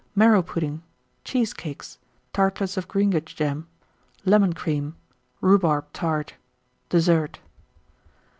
Marrow Pudding. Cheesecakes. Tartlets of Greengage Jam. Lemon Cream. Rhubarb Tart. DESSERT.